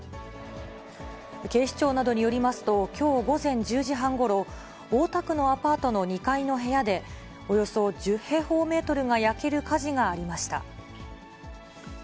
警視庁などによりますと、きょう午前１０時半ごろ、大田区のアパートの２階の部屋で、およそ１０平方メートルが焼ける火事がありました。